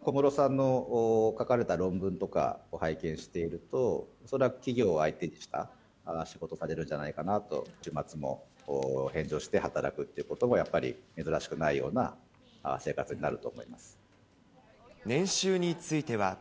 小室さんの書かれた論文とかを拝見していると、恐らく企業を相手にした仕事されるんじゃないかなと、週末も返上して働くということもやっぱり、珍しくないような生活年収については。